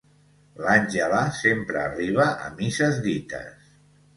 L'Àngela sempre arriba a misses dites.